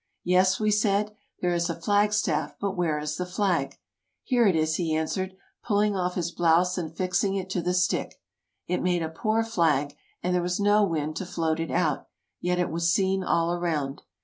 " Yes," we said, "there is a flag staff, but where is the flag ?"" Here it is," he answered, pulling off his blouse and fixing it to the stick. It made a poor flag, and there was no wind to float it out, yet it was seen all around.